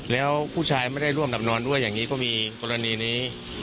แล้วผู้ชายไม่ได้ร่วมหลับนอนด้วยอย่างนี้ก็มีกรณีนี้